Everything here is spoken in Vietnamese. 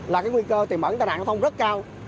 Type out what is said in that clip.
là cái nguy cơ tiền bẩn tai nạn giao thông rất cao